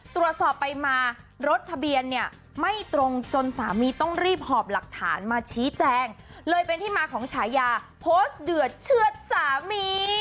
ตรวจสอบไปมารถทะเบียนเนี่ยไม่ตรงจนสามีต้องรีบหอบหลักฐานมาชี้แจงเลยเป็นที่มาของฉายาโพสต์เดือดเชื่อดสามี